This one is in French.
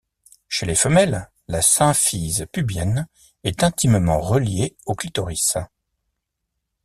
Chez les femelles, la symphyse pubienne est intimement reliée au clitoris.